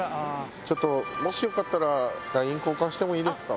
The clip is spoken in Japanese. ちょっともしよかったらＬＩＮＥ交換してもいいですか？